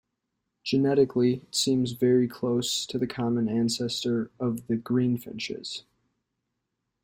Genetically, it seems very close to the common ancestor of the greenfinches.